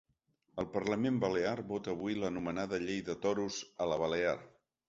El parlament balear vota avui l’anomenada llei de toros a la balear.